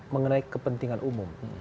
mengenai kepentingan umum